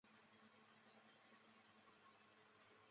龙胆木为大戟科龙胆木属下的一个种。